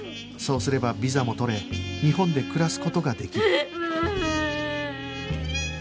そうすればビザも取れ日本で暮らす事ができる